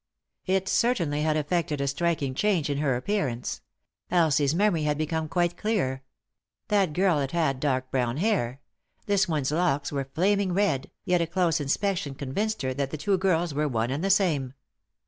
It certainly had effected a striking change in her appearance — Elsie's memory had become quite clear. That girl had had dark brown hair ; this one's locks were naming red, yet a close inspection convinced her that the two girls were one and the same.